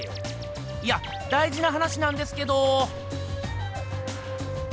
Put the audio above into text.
いやだいじな話なんですけど！